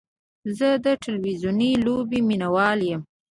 زه د تلویزیوني لوبې مینهوال یم.